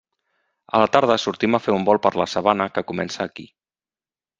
A la tarda sortim a fer un volt per la sabana que comença aquí.